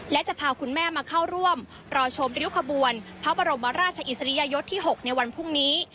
และจะพาคุณแม่มาเข้าร่วมรอชมริ้วขบวนพระบรมราชอิสริยยศที่๖ในวันพรุ่งนี้